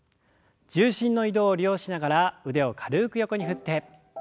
重心の移動を利用しながら腕を軽く横に振って。